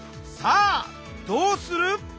さあどうする？